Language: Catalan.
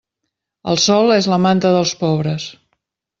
El sol és la manta dels pobres.